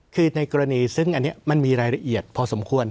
คือในกรณีซึ่งอันนี้มันมีรายละเอียดพอสมควร